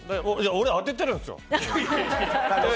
俺、当ててるんですよ。